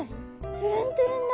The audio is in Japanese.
トゥルントゥルンだ。